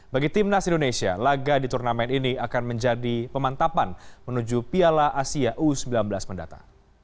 bagi timnas indonesia laga di turnamen ini akan menjadi pemantapan menuju piala asia u sembilan belas mendata